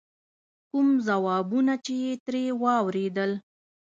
کوم ځوابونه چې یې ترې واورېدل.